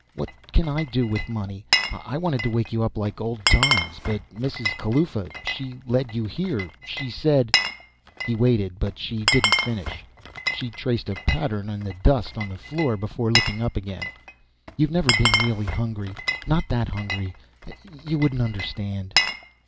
"What can I do with money? I wanted to wake you up like old times. But Mrs. Kalaufa she led you here she said " He waited, but she didn't finish. She traced a pattern on the dust of the floor, before looking up again. "You've never been really hungry! Not that hungry! You wouldn't understand."